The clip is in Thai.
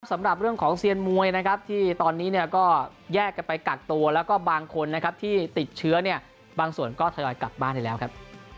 สำหรับเรื่องของเซียนมวยนะครับที่ตอนนี้เนี่ยก็แยกกันไปกักตัวแล้วก็บางคนนะครับที่ติดเชื้อเนี่ยบางส่วนก็ทยอยกลับบ้านได้แล้วครับ